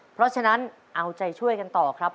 เพราะฉะนั้นเอาใจช่วยกันต่อครับ